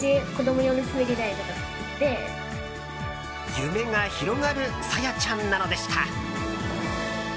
夢が広がるＳａｙａちゃんなのでした。